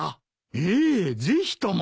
ええぜひとも。